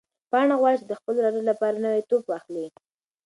پاڼه غواړي چې د خپل ورور لپاره نوی توپ واخلي.